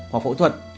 hoặc phẫu thuật